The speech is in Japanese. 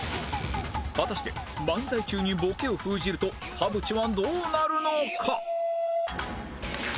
果たして漫才中にボケを封じると田渕はどうなるのか？